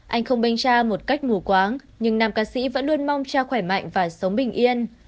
anh không bênh cha một cách mù quáng nhưng nam ca sĩ vẫn luôn mong cha khỏe mạnh và sống bình yên